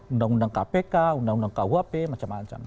undang undang kpk undang undang kuhp macam macam